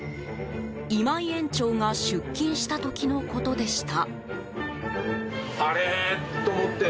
今井園長が出勤した時のことでした。